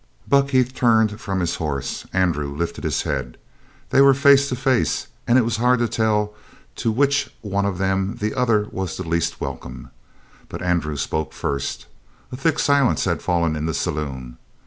Buck Heath turned from his horse; Andrew lifted his head. They were face to face, and it was hard to tell to which one of them the other was the least welcome. But Andrew spoke first. A thick silence had fallen in the saloon.